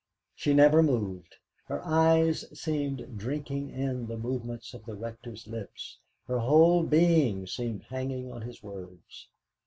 She never moved, her eyes seemed drinking in the movements of the Rector's lips, her whole being seemed hanging on his words.